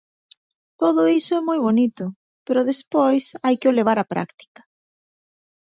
Todo iso é moi bonito, pero despois hai que o levar á práctica.